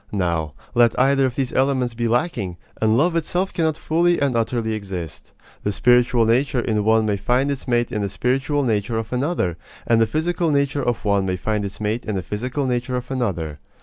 Now, let either of these elements be lacking, and love itself cannot fully and utterly exist. The spiritual nature in one may find its mate in the spiritual nature of another; and the physical nature of one may find its mate in the physical nature of another.